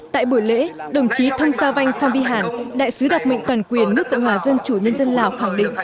tại buổi lễ đồng chí thông sao vanh phan vi hàn đại sứ đặc mệnh toàn quyền nước cộng hòa dân chủ nhân dân lào khẳng định